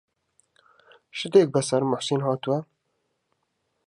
شتێک بەسەر موحسین هاتووە؟